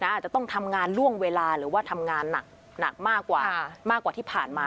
อาจจะต้องทำงานล่วงเวลาหรือว่าทำงานหนักมากกว่ามากกว่าที่ผ่านมา